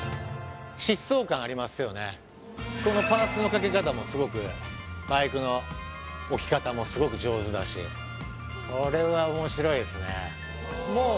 このパースのかけ方もすごくバイクの置き方もすごく上手だしこれは面白いですね。